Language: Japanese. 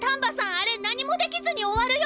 あれ何もできずに終わるよ！